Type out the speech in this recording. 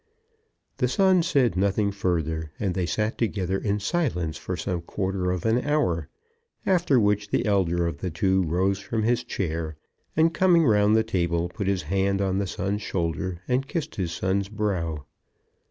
The son said nothing further, and they sat together in silence for some quarter of an hour, after which the elder of the two rose from his chair, and, coming round the table, put his hand on the son's shoulder, and kissed his son's brow.